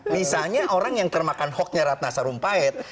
misalnya orang yang termakan hoaxnya ratna sarumpahit